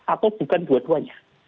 atau bukan dua duanya